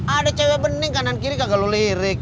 ada cewek bening kanan kiri gagal lo lirik